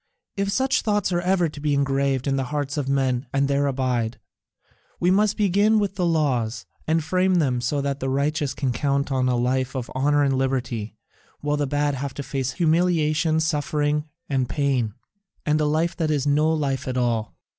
If such thoughts are ever to be engraved in the hearts of men and there abide, we must begin with the laws, and frame them so that the righteous can count on a life of honour and liberty, while the bad have to face humiliation, suffering, and pain, and a life that is no life at all.